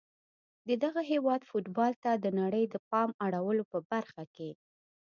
د دغه هیواد فوټبال ته د نړۍ د پام اړولو په برخه کي